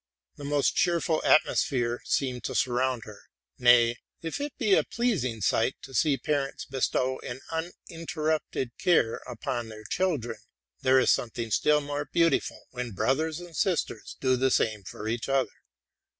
The most cheerful atmosphere seemed to surround her; nay, if it be a pleasing sight to see parents bestow an uninterrupted care upon their children, there is something still more beau tiful when brothers and sisters do the same for each other.